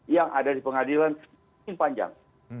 yang ada di pengadilan mungkin panjang